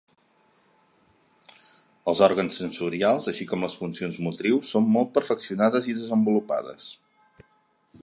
Els òrgans sensorials, així com les funcions motrius, són molt perfeccionades i desenvolupades.